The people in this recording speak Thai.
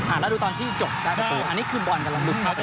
อ่าแล้วดูตอนที่จบกระตูอันนี้คือบอลกำลังลุกไป